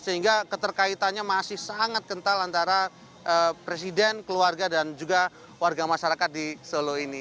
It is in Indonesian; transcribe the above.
sehingga keterkaitannya masih sangat kental antara presiden keluarga dan juga warga masyarakat di solo ini